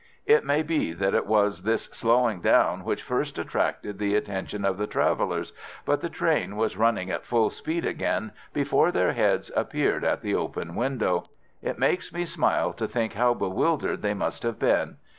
It may be that it was this slowing down which first attracted the attention of the travellers, but the train was running at full speed again before their heads appeared at the open window. It makes me smile to think how bewildered they must have been.